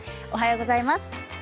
おはようございます。